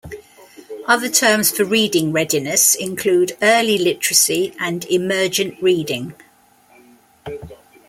Other terms for reading readiness include early literacy and emergent reading.